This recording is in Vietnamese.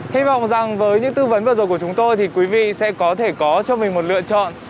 hy vọng rằng với những tư vấn vừa rồi của chúng tôi thì quý vị sẽ có thể có cho mình một lựa chọn